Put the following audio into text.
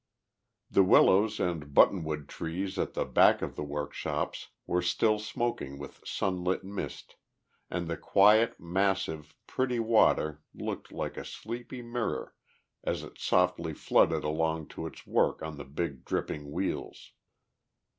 The willows and button wood trees at the back of the workshops were still smoking with sunlit mist, and the quiet, massive, pretty water looked like a sleepy mirror, as it softly flooded along to its work on the big, dripping wheels.